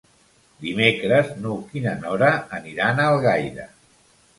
Dimecres n'Hug i na Nora aniran a Algaida.